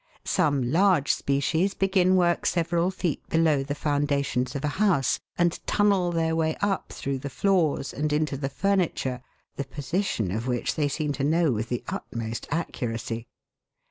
Some large species begin work several feet below the foundations of a house, and tunnel their way up through the floors, and into the furniture, the position of which they seem to know with the utmost accuracy.